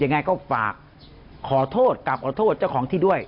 ยังไงก็ฝากขอโทษกลับขอโทษเจ้าของที่ด้วย